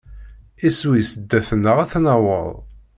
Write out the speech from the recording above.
Iswi sdat-neɣ ad t-naweḍ.